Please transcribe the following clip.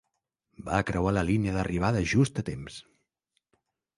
Va creuar la línia d'arribada just a temps.